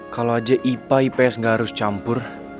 kalo aja ipa ips ga harus campur